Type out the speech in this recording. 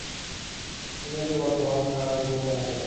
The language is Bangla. তিনিই এদের বর্তমান দ্বিপদ নামকরণ করেন।